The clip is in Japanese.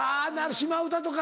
『島唄』とか。